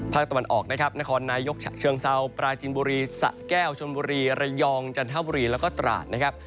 ตะวันออกนะครับนครนายกเชิงเซาปราจินบุรีสะแก้วชนบุรีระยองจันทบุรีแล้วก็ตราดนะครับ